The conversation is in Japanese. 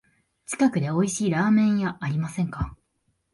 近くでおいしいラーメン屋ありませんか？